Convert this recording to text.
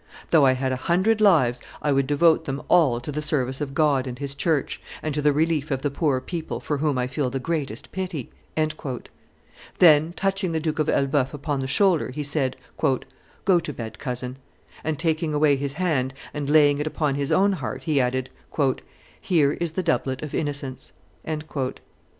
Though I had a hundred lives, I would devote them all to the service of God and His church, and to the relief of the poor people for whom I feel the greatest pity;" then, touching the Duke of Elbeuf upon the shoulder, he said, "Go to bed, cousin;" and, taking away his hand and laying it upon his own heart, he added, "Here is the doublet of innocence."